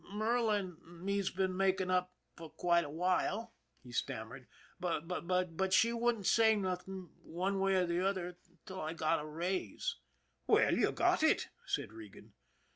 " Merla an' me's been making up for quite a while," he stammered :" but she wouldn't say nothing one way or the other till I got a raise." " Well, you got it," said Regan.